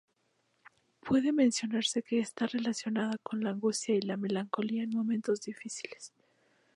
Puede mencionarse que está relacionada con la angustia y la melancolía en momentos difíciles.